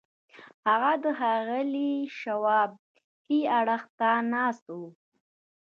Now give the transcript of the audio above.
هغه د ښاغلي شواب ښي اړخ ته ناست و.